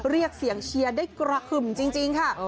เรียกเสียงเชียร์ได้กระขึ่มจริงค่ะ